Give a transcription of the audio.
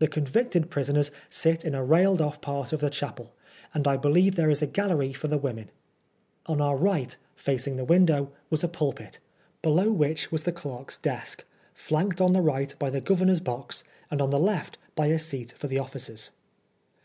The convicted prisoners sit in a railed off part of the chapel, and I believe there is a gallery for the women. On our right, facing the window, was a pulpit, below which was the clerk's 96 PRISONEB FOR BLASPHEMY. desk, flanked on the right by the Governor's box and on the left by a seat for the officers.